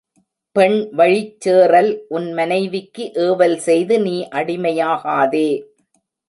பெண்வழிச் சேறல் உன் மனைவிக்கு ஏவல் செய்து நீ அடிமையாகாதே.